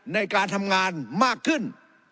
ในการทำงานมากขึ้น